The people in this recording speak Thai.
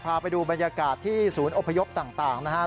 พาไปดูบรรยากาศที่ศูนย์อพยพต่างนะครับ